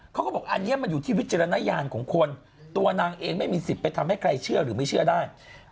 เขาก็บอกอันนี้มันอยู่ที่วิจารณญาณของคนตัวนางเองไม่มีสิทธิ์ไปทำให้ใครเชื่อหรือไม่เชื่อได้